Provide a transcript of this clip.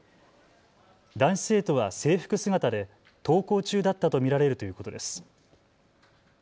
男子生徒は制服姿で登校中だったと見られるということです。